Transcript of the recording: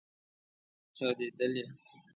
چاودیدلې